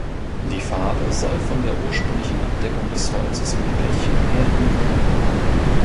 Die Farbe soll von der ursprünglichen Abdeckung des Holzes mit Pech herrühren.